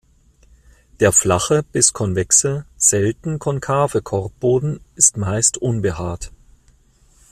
Der flache bis konvexe, selten konkave Korbboden ist meist unbehaart.